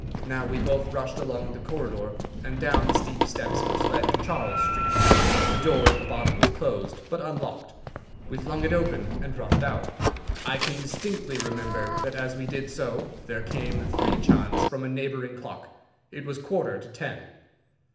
Now we both rushed along the corridor and down the steep steps which led to Charles Street. The door at the bottom was closed, but unlocked. We flung it open and rushed out. I can distinctly remember that as we did so there came three chimes from a neighbouring clock. It was quarter to ten."